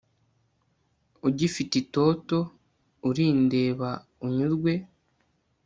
ugifite itoto uri ndeba unyurwe